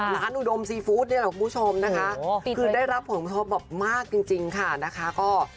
ร้านอุดมซีฟู้ดนี่แหละครับคุณผู้ชมคือได้รับผลผลมากจริงค่ะ